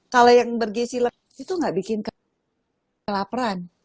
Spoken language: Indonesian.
kalau yang bergizi lemak itu nggak bikin kita laparan